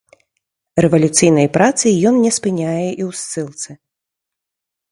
Рэвалюцыйнай працы ён не спыняе і ў ссылцы.